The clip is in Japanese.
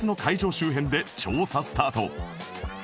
周辺で調査スタート